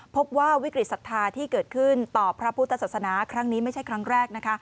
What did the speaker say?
พบว่าวิกฤตศรัทธาที่เกิดขึ้นต่อพระพุทธศาสนาครั้งนี้ไม่ใช่ครั้งแรกนะคะ